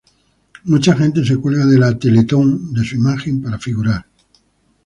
Mucha gente se cuelga de la Teletón, de su imagen, para figurar.